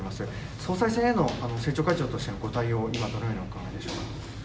総裁選への政調会長としてのご対応は、今、どのようにお考えでしょうか。